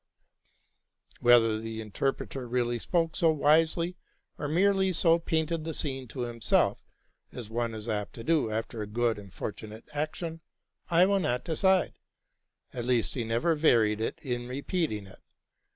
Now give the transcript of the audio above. Whether the interpreter really spoke so wisely, or merely so painted the scene to himself, as one is apt to do after a good and fortunate action, I will not decide; at least he never varied it in repeating it.